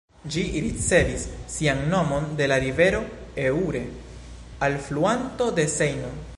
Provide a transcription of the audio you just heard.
Ĝi ricevis sian nomon de la rivero Eure, alfluanto de Sejno.